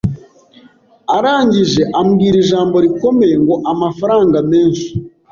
Arangije ambwira ijambo rikomeye ngo amafaranga menshi